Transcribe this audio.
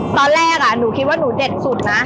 ตอนแรกหนูคิดว่าหนูเด็ดสุดนะ